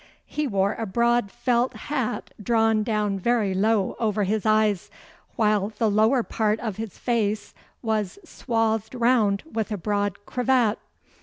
He wore a broad felt hat drawn down very low over his eyes, while the lower part of his face was swathed round with a broad cravat.